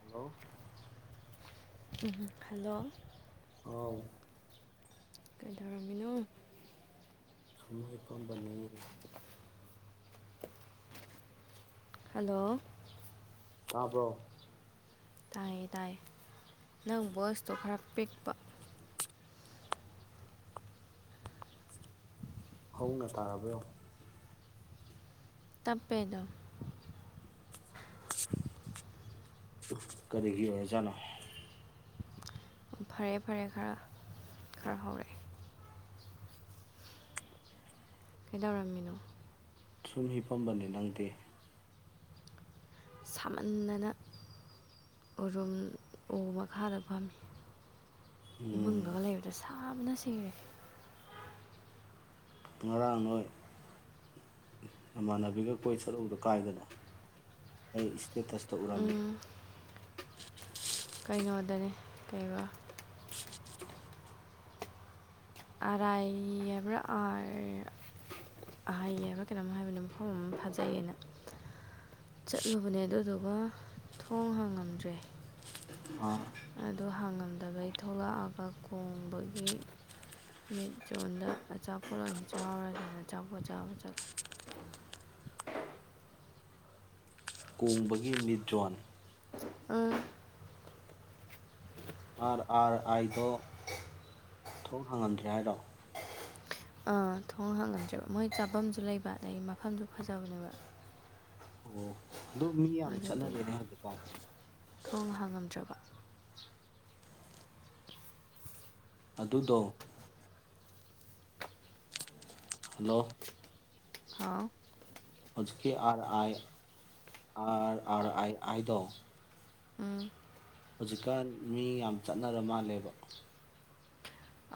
Hello hello ꯑ ꯀꯩ ꯇꯧꯔꯝꯃꯤꯅꯣ ꯁꯨꯝ ꯍꯤꯞꯄꯝꯕꯅꯦ ꯍꯜꯂꯣ ꯇꯥꯕꯔꯣ ꯇꯥꯏ ꯇꯥꯏ ꯅꯪ ꯕꯁꯇꯣ ꯈꯔ ꯄꯤꯛꯄ ꯍꯧꯅ ꯇꯥꯔꯕꯔꯣ ꯇꯥꯄꯦꯗ ꯀꯔꯤꯒꯤ ꯑꯣꯏꯖꯥꯠꯅꯣ ꯐꯔꯦ ꯐꯔꯦ ꯈꯔ ꯈꯔ ꯍꯧꯔꯛꯑꯦ ꯀꯩꯗꯧꯔꯝꯃꯤꯅꯣ ꯁꯨꯝ ꯍꯤꯄꯝꯕꯗꯤ ꯅꯪꯗꯦ ꯁꯥꯃꯟꯅꯅ ꯎꯔꯨꯝ ꯎ ꯃꯈꯥꯔ ꯐꯝꯃꯤ ꯎꯝ ꯏꯃꯨꯡꯗꯨꯒ ꯂꯩꯕꯗ ꯁꯥꯕꯅ ꯏꯪꯉꯦ ꯉꯔꯥꯡ ꯅꯣꯏ ꯏꯃꯥꯟꯅꯕꯤꯒ ꯀꯣꯏ ꯆꯠꯨꯎꯗ ꯀꯥꯏꯗꯅ ꯑꯩ ꯏꯁꯇꯁꯇ ꯎꯔꯝꯃꯦ ꯀꯩꯅꯣꯗꯅꯤ ꯀꯩꯕ ꯑꯔꯥꯏ ꯍꯥꯏꯕ꯭ꯔꯥ ꯑ ꯑꯍꯥꯏ ꯍꯥꯏꯕ꯭ꯔꯥ ꯀꯩꯅꯣꯝ ꯍꯥꯏꯕꯅꯦ ꯃꯐꯝ ꯑꯃ ꯐꯖꯩꯌꯦꯅ ꯆꯠꯂꯨꯕꯅꯦ ꯑꯗꯨꯗꯨꯒ ꯊꯣꯡ ꯍꯥꯡꯉꯝꯗ꯭ꯔꯦ ꯑꯥ ꯑꯗꯨ ꯍꯥꯡꯉꯝꯗꯕꯩ ꯊꯣꯛꯂꯛꯑꯒ ꯀꯣꯡꯕꯒꯤ ꯃꯤꯠ ꯆꯣꯟꯗ ꯑꯆꯥꯄꯣꯠ ꯑꯣꯏꯅ ꯆꯥꯔꯅ ꯑꯆꯥꯄꯣꯠ ꯆꯥꯕ ꯆꯠꯂꯦ ꯀꯣꯡꯕꯒꯤ ꯃꯤꯠ ꯖꯣꯟ ꯑꯝ ꯑꯥꯔ ꯑꯥꯔ ꯑꯥꯏꯗꯣ ꯊꯣꯛ ꯍꯥꯡꯉꯝꯗ꯭ꯔꯦ ꯍꯥꯏꯔꯣ ꯑꯥ ꯊꯣꯡ ꯍꯥꯡꯉꯝꯗ꯭ꯔꯦꯕ ꯃꯣꯏ ꯆꯥꯐꯝꯁꯨ ꯂꯩꯕ ꯑꯗꯗꯒꯤ ꯃꯐꯝꯁꯨ ꯐꯖꯕꯅꯦꯕ ꯑꯣ ꯑꯗꯨ ꯃꯤ ꯌꯥꯝ ꯑꯗꯨꯗꯣ ꯆꯠꯅꯔꯤꯦꯅꯦ ꯍꯧꯖꯤꯛꯐꯥꯎ ꯊꯣꯡ ꯍꯥꯡꯉꯝꯗ꯭ꯔꯕ ꯑꯗꯨꯗꯣ ꯍꯜꯂꯣ ꯍꯥꯎ ꯍꯧꯖꯤꯀꯤ ꯑꯔ ꯑꯥꯏꯁ ꯑꯔ ꯑꯥꯏꯗꯣ ꯍꯧꯖꯤꯛꯀꯥꯟ ꯃꯤ ꯌꯥꯝ ꯆꯠꯅꯔ ꯃꯥꯜꯂꯦꯕ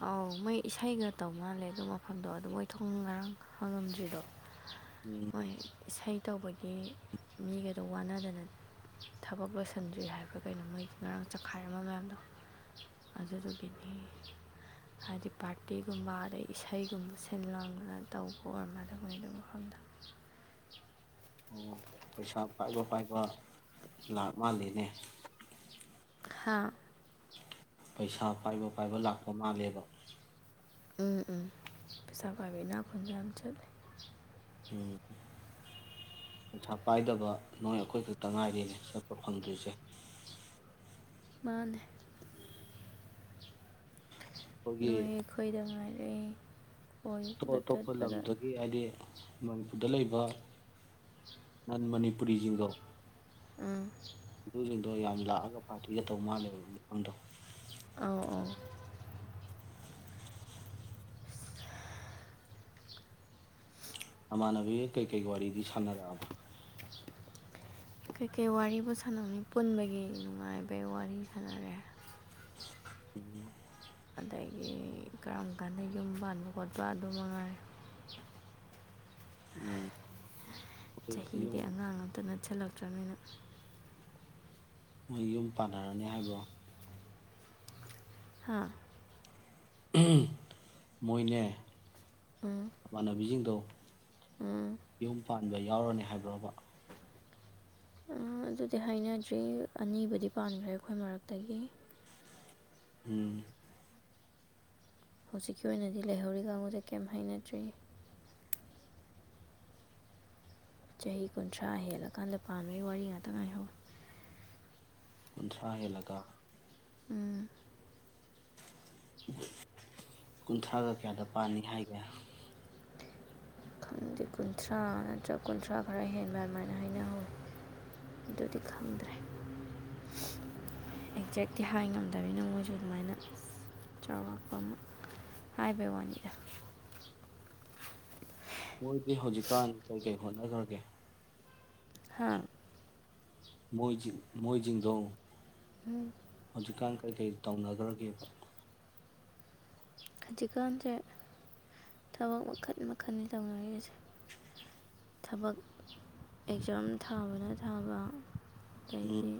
ꯑꯧ ꯃꯣꯏ ꯏꯁꯩꯒ ꯇꯧ ꯃꯥꯜꯂꯦ ꯑꯗꯨ ꯃꯐꯝꯗꯣ ꯑꯗꯨ ꯃꯣꯏ ꯊꯣꯡ ꯉꯔꯥꯡ ꯍꯪꯉꯝꯗ꯭ꯔꯤꯗꯣ ꯎꯝ ꯍꯣꯏ ꯏꯁꯩ ꯇꯧꯕꯒꯤ ꯃꯤꯒꯗꯣ ꯋꯥꯅꯗꯅ ꯊꯕꯛ ꯂꯣꯏꯁꯤꯟꯗ꯭ꯔꯤ ꯍꯥꯏꯕ ꯀꯩꯅꯣ ꯃꯣꯏ ꯉꯔꯥꯡ ꯆꯈꯥꯏꯔꯝꯕ ꯃꯌꯥꯝꯗꯣ ꯑꯗꯨꯗꯨꯒꯤꯅꯤ ꯍꯥꯏꯗꯤ ꯄꯥꯔꯇꯤꯒꯨꯝꯕ ꯑꯗꯩ ꯏꯁꯩꯒꯨꯝꯕ ꯁꯤꯟ ꯂꯣꯟꯗꯅ ꯇꯧꯕ ꯑꯣꯏꯔꯃꯗꯕ ꯃ ꯑꯗꯨ ꯃꯐꯝꯗ ꯑꯣ ꯄꯩꯁꯥ ꯄꯥꯏꯕ ꯄꯥꯏꯕ ꯂꯥꯛ ꯃꯥꯜꯂꯤꯅꯦ ꯍꯥꯥ ꯄꯩꯁꯥ ꯄꯥꯏꯕ ꯄꯥꯏꯕ ꯂꯥꯛꯄ ꯃꯥꯜꯂꯦꯕ ꯎꯝ ꯎꯝ ꯄꯩꯁꯥꯄꯥꯏꯕ ꯏꯅ ꯈꯨꯟꯕ ꯌꯥꯝ ꯆꯠꯂꯤ ꯎꯝ ꯄꯩꯁꯥ ꯄꯥꯏꯗꯕ ꯅꯣꯏ ꯑꯩꯈꯣꯏ ꯈꯛꯇ ꯉꯥꯏꯔꯤꯅꯦ ꯆꯠꯄ ꯐꯪꯗ꯭ꯔꯤꯁꯦ ꯃꯥꯅꯦ ꯑꯩꯈꯣꯏꯒꯤ ꯅꯣꯏ ꯑꯩꯈꯣꯏꯗꯉꯥꯏꯔꯦ ꯑꯇꯣꯞ ꯑꯇꯣꯞꯄ ꯂꯝꯗꯒꯤ ꯍꯥꯏꯗꯤ ꯃꯅꯤꯄꯨꯔꯗ ꯂꯩꯕ ꯅꯟ ꯃꯅꯤꯄꯨꯔꯤꯁꯤꯡꯗꯣ ꯎꯝ ꯑꯗꯨꯁꯤꯡꯗꯣ ꯌꯥꯝ ꯂꯥꯛꯑꯒ ꯄꯥꯔꯇꯤꯒ ꯇꯧ ꯃꯥꯜꯂꯦꯕ ꯃꯐꯝꯗꯣ ꯑꯧ ꯑꯧ ꯅꯃꯥꯟꯅꯕꯤ ꯀꯩꯀꯩ ꯋꯥꯔꯤꯗꯤ ꯁꯥꯟꯅꯔꯛꯑꯕ ꯀꯩꯀꯩ ꯋꯥꯔꯤꯕꯨ ꯁꯥꯟꯅꯅꯤ ꯄꯨꯟꯕꯒꯤ ꯅꯨꯡꯉꯥꯏꯕꯩ ꯋꯥꯔꯤ ꯁꯥꯟꯅꯔꯦ ꯎꯝ ꯑꯗꯒꯤ ꯀꯔꯝ ꯀꯥꯟꯗ ꯌꯨꯝ ꯄꯥꯟꯕ ꯈꯣꯠꯄ ꯑꯗꯨ ꯃꯉꯥꯏ ꯎꯝ ꯆꯍꯤꯗꯤ ꯑꯉꯥꯡ ꯑꯝꯇ ꯅꯠꯁꯜꯂꯛꯇ꯭ꯔꯃꯤꯅ ꯃꯣꯏ ꯌꯨꯝ ꯄꯥꯟꯅꯔꯅꯤ ꯍꯥꯏꯕ꯭ꯔꯣ ꯍꯥ ꯃꯣꯏꯅꯦ ꯎꯝ ꯅꯃꯥꯟꯅꯕꯤꯁꯤꯡꯗꯣ ꯎꯝ ꯌꯨꯝ ꯄꯥꯟꯕ ꯌꯥꯎꯔꯅꯤ ꯍꯥꯏꯕ꯭ꯔꯕ ꯎꯝ ꯑꯗꯨꯗꯤ ꯍꯥꯏꯅꯗ꯭ꯔꯤ ꯑꯅꯤꯕꯨꯗꯤ ꯄꯥꯟꯈ꯭ꯔꯦ ꯑꯩꯈꯣꯏ ꯃꯔꯛꯇꯒꯤ ꯎꯝ ꯍꯧꯖꯤꯛꯀꯤ ꯑꯣꯏꯅꯗꯤ ꯂꯩꯍꯧꯔꯤ ꯀꯥꯡꯕꯨꯁꯦ ꯀꯩꯝ ꯍꯥꯏꯅꯗ꯭ꯔꯤ ꯆꯍꯤ ꯀꯨꯟꯊ꯭ꯔꯥ ꯍꯦꯜꯂꯀꯥꯟꯗ ꯄꯥꯟꯕꯩ ꯋꯥꯔꯤ ꯉꯥꯛꯇ ꯉꯥꯏꯍꯧꯔꯦ ꯀꯨꯟꯊ꯭ꯔꯥ ꯍꯦꯜꯂꯒ ꯎꯝ ꯀꯨꯟꯊ꯭ꯔꯥꯒ ꯀꯌꯥꯗ ꯄꯥꯟꯅꯤ ꯍꯥꯏꯒꯦ ꯗꯤ ꯀꯨꯟꯊ꯭ꯔꯥ ꯅꯠꯇ꯭ꯔꯒ ꯀꯨꯟꯊ꯭ꯔꯥ ꯈꯔ ꯍꯦꯟꯕ ꯑꯗꯨꯃꯥꯏꯅ ꯍꯥꯏꯩꯅꯍꯧꯋꯤ ꯑꯗꯨꯗꯤ ꯈꯪꯗ꯭ꯔꯦ ꯑꯦꯛꯖꯦꯛꯇꯤ ꯍꯥꯏ ꯉꯝꯗꯃꯤꯅ ꯃꯣꯏꯁꯨ ꯑꯗꯨꯃꯥꯏꯅ ꯆꯥꯎꯔꯥꯛꯄ ꯑꯃ ꯍꯥꯏꯕꯩ ꯋꯥꯅꯤꯗ ꯃꯣꯏꯗꯤ ꯍꯧꯖꯤꯛꯀꯥꯟ ꯀꯩꯀꯩ ꯍꯣꯠꯅꯈ꯭ꯔꯒꯦ ꯍꯥꯥ ꯃꯣꯏ ꯃꯣꯏꯖꯤꯡꯗꯣ ꯎꯝ ꯍꯧꯖꯤꯛꯀꯥꯟ ꯀꯩꯀꯩ ꯇꯧꯅꯈ꯭ꯔꯒꯦꯕ ꯍꯧꯖꯤꯛꯀꯥꯟꯁꯦ ꯊꯕꯛ ꯃꯈꯜ ꯃꯈꯜꯅꯤ ꯇꯧꯅꯔꯤꯁꯦ ꯊꯕꯛ ꯑꯦꯛꯖꯥꯝ ꯊꯥꯕꯅ ꯊꯥꯕ ꯑꯗꯩꯒꯤ ꯎꯝ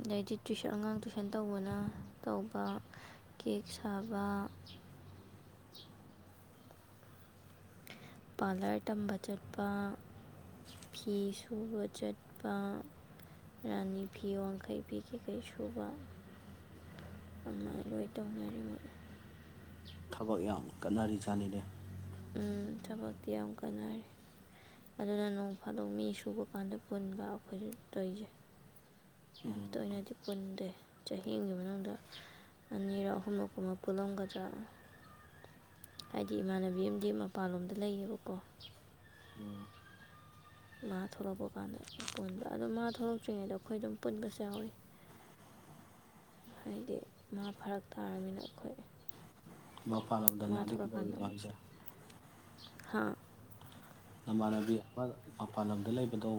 ꯑꯗꯩꯗꯤ ꯇꯨꯏꯁꯟ ꯑꯉꯥꯡ ꯇꯨꯏꯁꯟ ꯇꯧꯕꯅ ꯇꯧꯕ ꯀꯦꯛ ꯁꯥꯕ ꯄꯥꯔꯂꯔ ꯇꯝꯕ ꯆꯠꯄ ꯐꯤ ꯁꯨꯕ ꯆꯠꯄ ꯔꯥꯅꯤ ꯐꯤ ꯋꯥꯡꯈꯩ ꯐꯤ ꯀꯩ ꯀꯩ ꯁꯨꯕ ꯑꯗꯨꯃꯥꯏꯅ ꯂꯣꯏ ꯇꯧꯅꯔꯤ ꯊꯕꯛ ꯌꯥꯝ ꯀꯟꯅꯔꯤ ꯖꯥꯠꯅꯤꯅꯦ ꯎꯝ ꯊꯕꯛꯇꯤ ꯌꯥꯝ ꯀꯥꯟꯅꯔꯦ ꯑꯗꯨꯅ ꯅꯣꯡ ꯐꯥꯗꯣꯛ ꯃꯤ ꯁꯨꯕ ꯀꯥꯟꯗ ꯄꯨꯟꯕ ꯑꯩꯈꯣꯏꯁꯨ ꯇꯩꯔꯤꯁꯦ ꯌꯥꯝ ꯎꯝ ꯇꯣꯏꯅꯗꯤ ꯄꯨꯟꯗꯦ ꯆꯍꯤꯒꯤ ꯃꯅꯨꯡꯗ ꯑꯅꯤꯔꯛ ꯑꯍꯨꯝꯂꯨꯛ ꯀꯨꯝꯕ ꯄꯨꯜꯂꯝꯒꯗ꯭ꯔꯥ ꯍꯥꯏꯗꯤ ꯏꯃꯥꯟꯅꯕꯤ ꯑꯃꯗꯤ ꯃꯄꯥꯟꯂꯣꯝꯗ ꯂꯩꯌꯦꯕꯀꯣ ꯎꯝ ꯃꯥ ꯊꯣꯛꯂꯛꯄ ꯀꯥꯟꯗ ꯄꯨꯟꯕ ꯑꯗꯣ ꯃꯥ ꯊꯣꯛꯂꯛꯇ꯭ꯔꯤꯉꯩꯗ ꯑꯩꯈꯣꯏ ꯑꯗꯨꯝ ꯄꯨꯟꯕꯁꯨ ꯌꯥꯎꯋꯤ ꯍꯥꯏꯗꯤ ꯃꯥ ꯐꯔꯛ ꯇꯥꯔꯃꯤꯅ ꯑꯩꯈꯣꯏ ꯃꯄꯥꯜ ꯂꯝꯗ ꯃꯥ ꯃꯥꯗꯤ ꯀꯩꯗꯧꯔꯤꯅꯣ ꯍꯥꯏꯁꯦ ꯍꯥꯥ ꯅꯃꯥꯟꯅꯕꯤ ꯑꯃ ꯃꯄꯥꯟ ꯂꯝꯗ ꯂꯩꯕꯗꯣ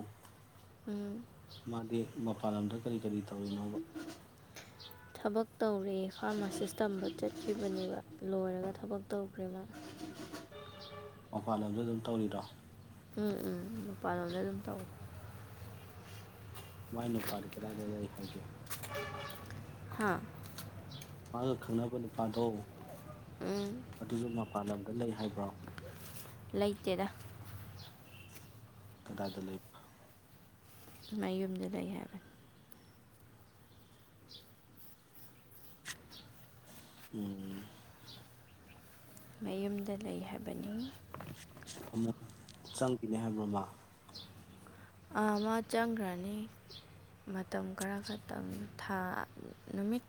ꯎꯝ ꯃꯥꯗꯤ ꯃꯄꯥꯥꯜꯂꯝꯗ ꯀꯔꯤ ꯀꯔꯤ ꯇꯧꯔꯤꯅꯣꯕ ꯊꯕꯛ ꯇꯧꯔꯦ ꯐꯥꯔꯃꯥꯁꯤꯁ ꯇꯝꯕ ꯆꯠꯈꯤꯕꯅꯦꯕ ꯂꯣꯏꯔꯒ ꯊꯕꯛ ꯇꯧꯈ꯭ꯔꯦ ꯃꯥ ꯃꯄꯥꯟ ꯂꯝꯗ ꯑꯗꯨꯝ ꯇꯧꯔꯤꯔꯣ ꯎꯝ ꯎꯝ ꯃꯄꯥꯟ ꯂꯣꯝꯗ ꯑꯗꯨꯝ ꯇꯧꯋꯦ ꯃꯥꯏ ꯅꯨꯄꯥꯥꯗꯤ ꯀꯗꯥꯏꯗ ꯂꯩ ꯍꯥꯏꯒꯦ ꯍꯥ ꯃꯥꯒ ꯈꯪꯅꯕ ꯅꯨꯄꯥꯗꯣ ꯎꯝ ꯑꯗꯨꯃꯥ ꯃꯄꯥꯟ ꯂꯝꯗ ꯂꯩ ꯍꯥꯏꯕ꯭ꯔꯣ ꯂꯩꯇꯦꯗ ꯀꯗꯥꯏꯗ ꯂꯩꯕ ꯃꯌꯨꯝꯗ ꯂꯩ ꯍꯥꯏꯕꯅꯦ ꯎꯝ ꯃꯌꯨꯝꯗ ꯂꯩ ꯍꯥꯏꯕꯅꯤ ꯑꯃꯨꯛ ꯆꯪꯈꯤꯅꯦ ꯍꯥꯏꯕ꯭ꯔꯣ ꯃꯥ ꯑꯃ ꯆꯪꯈ꯭ꯔꯅꯤ ꯃꯇꯝ ꯈꯔ ꯈꯛꯇꯪ ꯊꯥ ꯅꯨꯃꯤꯠ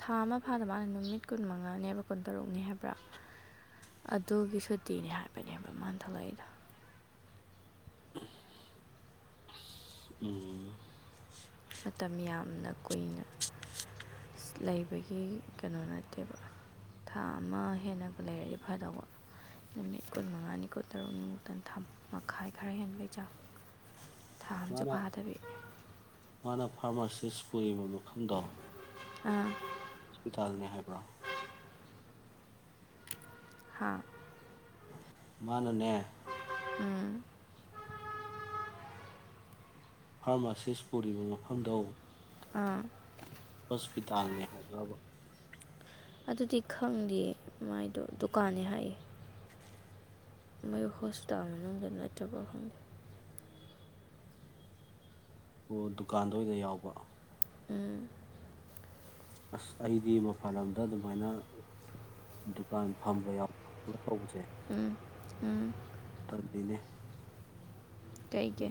ꯊꯥ ꯑꯃ ꯐꯥꯗ ꯃꯥꯅꯦ ꯅꯨꯃꯤꯠ ꯀꯨꯟ ꯃꯉꯥꯅꯦꯕ ꯀꯨꯟꯇꯔꯨꯛꯅꯤ ꯍꯥꯏꯕ꯭ꯔꯥ ꯑꯗꯨꯒꯤ ꯁꯨꯇꯤꯅꯦ ꯍꯥꯏꯕꯅꯦꯕ ꯃꯥꯅ ꯊꯣꯛꯂꯛꯏꯗꯣ [unintelligible] ꯎꯝ ꯃꯇꯝ ꯌꯥꯝꯅ ꯀꯨꯏꯅ ꯂꯩꯕꯒꯤ ꯀꯩꯅꯣ ꯅꯠꯇꯦꯕ ꯊꯥ ꯑꯃ ꯍꯦꯟꯅ ꯂꯩꯔꯗꯤ ꯐꯗꯧꯕ ꯅꯨꯃꯤꯠ ꯀꯨꯟ ꯃꯉꯥꯅꯤ ꯀꯨꯟꯇꯔꯨꯛꯅꯤꯃꯨꯛꯇ ꯊꯥꯝ ꯃꯈꯥꯏ ꯈꯔ ꯍꯦꯟꯕꯩ ꯆꯥꯡ꯫ ꯊꯥ ꯑꯃꯁꯨ ꯃꯥꯅ ꯐꯥꯗꯕꯤ ꯃꯥꯅ ꯐꯥꯔꯃꯥꯁꯤꯁ ꯄꯨꯔꯤꯕ ꯃꯐꯝꯗꯣ ꯑꯥ ꯄꯤꯇꯥꯜꯅꯦ ꯍꯥꯏꯕ꯭ꯔꯣ ꯍꯥꯥ ꯃꯥꯅꯅꯦ꯫ ꯎꯝ ꯐꯥꯔꯃꯥꯁꯤꯁ ꯄꯨꯔꯤꯕ ꯃꯐꯝꯗꯣ ꯑꯥ ꯍꯤꯗꯥꯅꯦ ꯍꯥꯏꯕꯔꯥ ꯑꯗꯨꯗꯤ ꯈꯪꯗꯤꯌꯦ ꯃꯥꯏꯗꯣ ꯗꯨꯀꯥꯟꯅꯦ ꯍꯥꯏꯌꯦ ꯃꯩ ꯍꯣꯁꯄꯤꯇꯥꯜ ꯃꯅꯨꯡꯗ ꯅꯠꯇꯕ ꯈꯪꯗꯦ ꯑꯣ ꯗꯨꯀꯥꯟꯗ ꯑꯣꯏꯅ ꯌꯥꯎꯕ ꯎꯝ ꯑꯁ ꯑꯩꯗꯤ ꯃꯄꯥꯟ ꯂꯝꯗ ꯑꯗꯨꯃꯥꯏꯅ ꯗꯨꯀꯥꯟ ꯐꯝꯕ ꯌꯥꯎꯕ ꯇꯧꯕꯁꯦ ꯎꯝ ꯎꯝ ꯇꯜꯂꯤꯅꯦ ꯀꯩꯒꯤ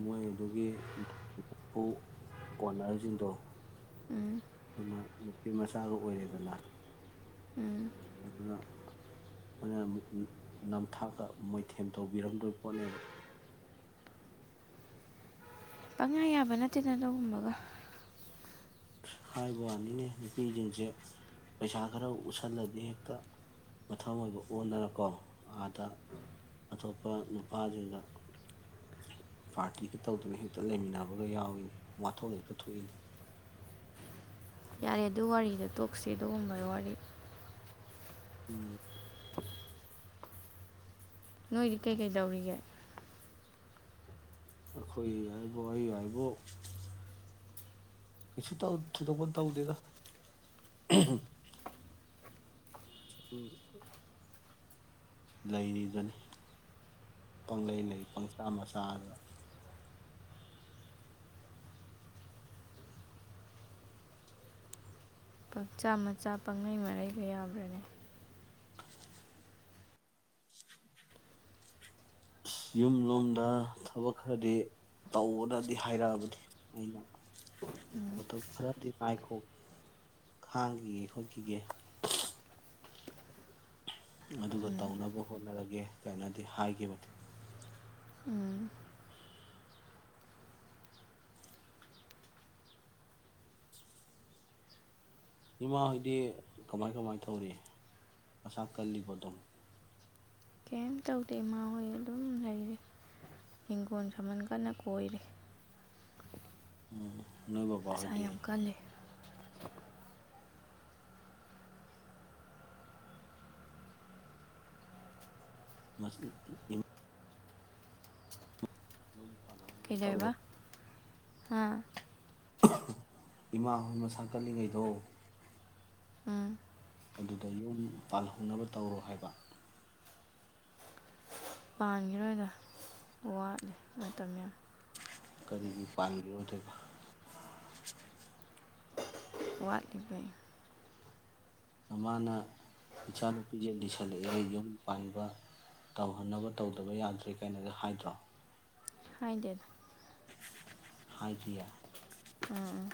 ꯃꯣꯏ ꯑꯗꯨꯒꯤ [unintelligible] ꯐꯨ ꯀꯣꯅꯔꯁꯤꯡꯗꯣ ꯎꯝ ꯎꯅ ꯅꯨꯄꯤ ꯃꯆꯥꯒ ꯑꯣꯏꯔꯦꯗꯅ ꯎꯝ ꯑꯗꯨꯅ ꯑꯣꯏꯅ ꯑꯃꯨꯛ ꯅꯝꯊꯥꯛꯀ ꯃꯣꯏꯊꯦꯝ ꯇꯧꯕꯤꯔꯝꯗꯣꯏ ꯄꯣꯠꯅꯦꯕ ꯄꯪꯌꯥ ꯌꯥꯕ ꯅꯠꯇꯦꯗ ꯑꯗꯨꯒꯨꯝꯕꯒ ꯍꯥꯏꯕ ꯋꯥꯅꯤꯅꯦ ꯅꯨꯄꯤꯁꯤꯡꯁꯦ ꯄꯩꯁꯥ ꯈꯔ ꯎꯁꯜꯂꯗꯤ ꯍꯦꯛꯇ ꯃꯊꯥꯃꯣꯏꯒ ꯑꯣꯟꯗꯅꯀꯣ ꯑꯥꯗ ꯑꯇꯣꯞꯄ ꯅꯨꯄꯥꯁꯤꯡꯒ ꯄꯥꯔꯇꯤꯒ ꯇꯧꯗꯅ ꯍꯦꯛꯇ ꯂꯩꯃꯤꯟꯅꯕꯒ ꯌꯥꯎꯏꯅꯦ ꯋꯥꯊꯣꯛ ꯍꯦꯛꯇ ꯊꯣꯛꯏꯅꯦ ꯌꯥꯔꯦ ꯑꯗꯨ ꯋꯥꯔꯤꯗ ꯇꯣꯛꯁꯤ ꯑꯗꯨꯒꯨꯝꯕꯒꯤ ꯋꯥꯔꯤ ꯎꯝ ꯅꯣꯏꯗꯤ ꯀꯩꯀꯩ ꯗꯧꯔꯤꯒꯦ ꯑꯩꯈꯣꯏ ꯍꯥꯏꯕꯨ ꯑꯩ ꯍꯥꯏꯕꯨ ꯄꯁꯨ ꯇ ꯊꯗꯄ ꯇꯕꯨꯗꯗ [inaudible] ꯂꯩꯔꯤꯗꯨꯅꯤ ꯄꯪꯪꯂꯩ ꯂꯩ ꯄꯪꯆꯥ ꯃꯆꯥꯗ ꯄꯪꯆꯥ ꯃꯆꯥ ꯄꯪꯂꯩ ꯃꯔꯩꯕ ꯌꯥꯕ꯭ꯔꯥꯅꯦ ꯌꯨꯝ ꯂꯣꯝꯗ ꯊꯕꯛ ꯈꯔꯗꯤ ꯇꯧꯕꯅꯗꯤ ꯍꯥꯏꯔꯛꯑꯕꯅꯤ ꯑꯩꯅ ꯃꯇꯝ ꯈꯔꯗꯤ ꯉꯥꯏꯈꯣꯛ ꯈꯥꯡꯈꯤꯒ ꯈꯣꯠꯈꯤꯒꯦ ꯑꯗꯨꯒ ꯎꯝ ꯇꯧꯅꯕ ꯍꯣꯠꯅꯔꯒꯦ ꯀꯥꯏꯅꯗꯤ ꯍꯥꯏꯒꯤꯕꯅꯤ ꯎꯝ ꯏꯃꯥꯍꯣꯏꯗꯤ ꯀꯃꯥꯏ ꯀꯃꯥꯏ ꯇꯧꯔꯤ ꯃꯁꯥ ꯀꯜꯂꯤꯕ ꯑꯗꯨꯝ ꯀꯩꯝ ꯇꯧꯗꯦ ꯏꯃꯥ ꯍꯣꯏ ꯑꯗꯨꯝ ꯂꯩꯔꯤ ꯍꯤꯡꯈꯣꯜ ꯁꯝꯕꯟ ꯀꯟꯅ ꯀꯣꯏꯔꯤ ꯎꯝ ꯅꯣꯏꯕꯕꯥ ꯃꯁꯥ ꯍꯥꯏꯗꯤ ꯌꯥꯝ ꯀꯜꯂꯤ ꯃꯁ ꯏ ꯎ ꯀꯩꯖꯥꯏꯕ ꯍꯥꯥ ꯏꯃꯥ ꯍꯣꯏ ꯃꯁꯥꯀꯜꯂꯤꯉꯩꯗꯣ ꯎꯝ ꯑꯗꯨꯗ ꯌꯨꯝ ꯄꯥꯜꯍꯧꯅꯕ ꯇꯧꯔꯣ ꯍꯥꯏꯕ ꯄꯥꯟꯈꯤꯔꯣꯏꯗ ꯋꯥ ꯀꯔꯤꯒꯤ ꯄꯥꯥꯟꯒꯤꯔꯣꯏ ꯗꯨꯏꯕ [unintelligible] ꯋꯥꯠꯂꯤꯕ ꯅꯃꯥꯅ ꯏꯆꯥꯅꯨꯄꯤꯁꯦ ꯂꯤꯁꯜꯂꯛꯑꯦ ꯌꯨꯝ ꯄꯥꯟꯕ ꯇꯧꯍꯟꯅꯕ ꯇꯧꯗꯕ ꯌꯥꯗ꯭ꯔꯦ ꯀꯥꯏꯅꯒ ꯍꯥꯏꯗ꯭ꯔꯣ ꯍꯥꯏ ꯗꯦꯗ ꯍꯥꯏꯗꯤꯌꯦ ꯎꯝ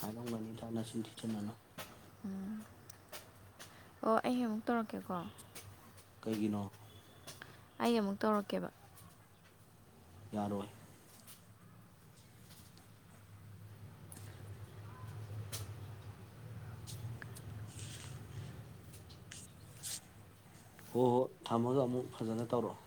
ꯍꯥꯏꯔꯝꯒꯅꯤꯗꯅ ꯁꯤ ꯊꯤꯁꯤꯟꯅꯅꯣ ꯑꯣ ꯑꯩ ꯑꯃꯨꯛ ꯇꯧꯔꯛꯀꯦꯀꯣ ꯀꯩꯒꯤꯅꯣ ꯑꯩ ꯑꯃꯨꯛ ꯇꯧꯔꯛꯀꯦꯕ ꯌꯥꯔꯣꯏ ꯍꯣꯏ ꯍꯣꯏ ꯊꯝꯃꯒ ꯑꯃꯨꯛ ꯐꯖꯅ ꯇꯧꯔꯛꯑꯣ